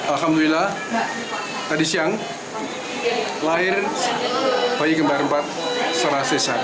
alhamdulillah tadi siang lahir bayi kembar empat secara sesar